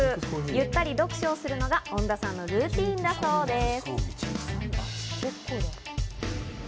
ゆったり読書をするのが恩田さんのルーティンだそうです。